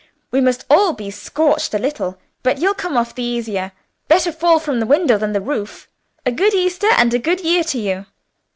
we must all be scorched a little, but you'll come off the easier; better fall from the window than the roof. A good Easter and a good year to you!"